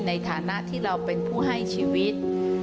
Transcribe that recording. ในฐานะที่เราเป็นผู้ให้ชีวิต